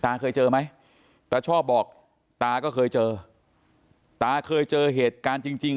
เคยเจอไหมตาชอบบอกตาก็เคยเจอตาเคยเจอเหตุการณ์จริงจริง